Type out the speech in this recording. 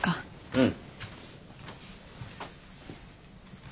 うん。